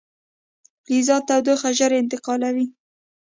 فلزات تودوخه ژر انتقالوي.